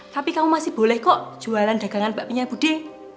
tapi kamu masih boleh kok jualan dagangan pak punya bu de